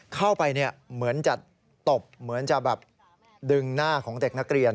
เข้าไปเหมือนจะตบเหมือนจะแบบดึงหน้าของเด็กนักเรียน